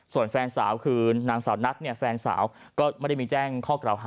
ส่วนแฟนสาวคือนางสาวนัทเนี่ยแฟนสาวก็ไม่ได้มีแจ้งข้อกล่าวหา